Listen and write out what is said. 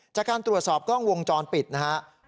จากการตรวจสอบกล้องวงจรปิดนะครับ